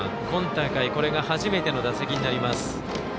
今大会、これが初めての打席になります。